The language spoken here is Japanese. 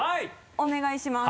お願いします。